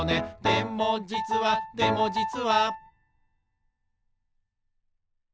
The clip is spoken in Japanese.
「でもじつはでもじつは」